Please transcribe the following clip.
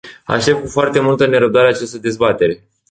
Aștept cu foarte multă nerăbdare această dezbatere.